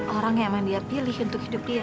orang yang memang dia pilih untuk hidup dia